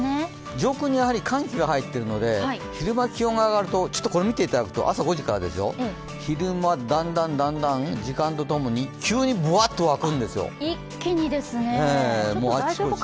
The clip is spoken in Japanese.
上空にやはり寒気が入っているので昼間気温が上がると、朝５時からですよ、昼間だんだん時間とともに急にぶわっと沸くんですよ。